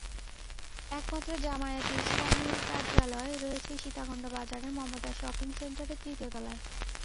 একমাত্র জামায়াতে ইসলামীর কার্যালয় রয়েছে সীতাকুণ্ড বাজারের মমতাজ শপিং সেন্টারের তৃতীয় তলায়।